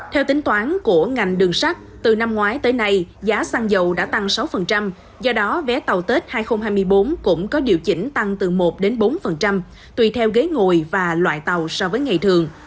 theo tính toán của ngành đường sắt từ năm ngoái tới nay giá xăng dầu đã tăng sáu do đó vé tàu tết hai nghìn hai mươi bốn cũng có điều chỉnh tăng từ một bốn tùy theo ghế ngồi và loại tàu so với ngày thường